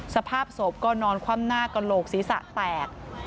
สภาพศพก็นอนคว่ำหน้ากระโหลกศีรษะแตก